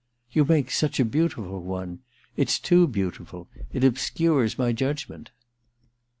* You make such a beautiful one ! It's too beautiful — it obscures my judgment.'